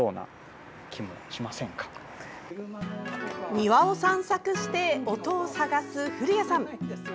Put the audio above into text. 庭を散策して音を探す古谷さん。